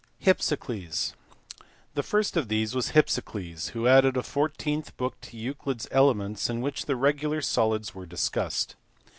Hypsicles. The first of these was Hypsicles who added a fourteenth book to Euclid s Elements in which the regular solids were discussed.